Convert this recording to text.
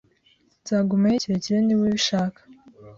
Nzagumaho igihe kirekire niba ubishaka